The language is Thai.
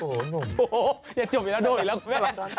โอ้โหหนุ่มโอ้ค่ะอย่าจบอีกแล้วดูอีกแล้ว